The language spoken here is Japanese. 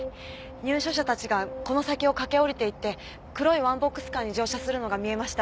入所者たちがこの先を駆け降りていって黒いワンボックスカーに乗車するのが見えました。